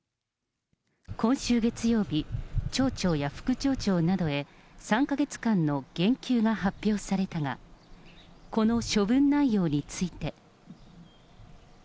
今週月曜日、町長や副町長などへ、３か月間の減給が発表されたが、この処分内容について。